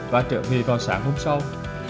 và trở về vào sáng hôm sau